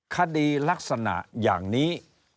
คดีลักษณะอย่างนี้